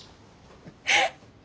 えっ！